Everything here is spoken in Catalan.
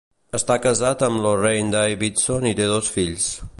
Està casat amb Lorraine Davidson i té dos fills.